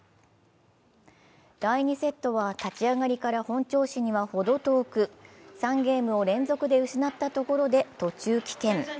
第２セットは立ち上がりから本調子には程遠く、３ゲームを連続で失ったところで途中棄権。